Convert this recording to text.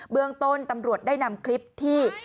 เรื่องต้นตำรวจได้นำคลิปที่